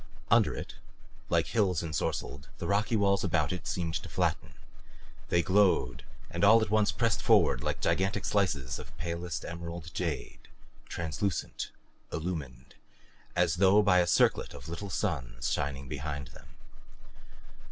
Under it, like hills ensorcelled, the rocky walls about it seemed to flatten. They glowed and all at once pressed forward like gigantic slices of palest emerald jade, translucent, illumined, as though by a circlet of little suns shining behind them.